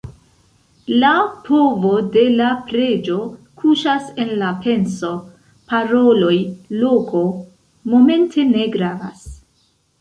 La povo de la preĝo kuŝas en la penso; paroloj, loko, momento ne gravas.